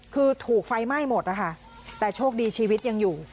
คือถูกไฟไหม้หมดนะคะแต่โชคดีชีวิตยังอยู่